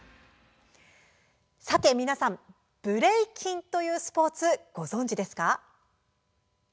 さて皆さん、ブレイキンというスポーツご存じですか？